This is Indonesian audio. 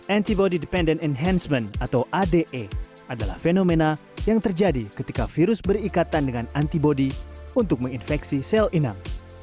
antibody dependent enhancement atau ade adalah fenomena yang terjadi ketika virus berikatan dengan antibody untuk menginfeksi sel inam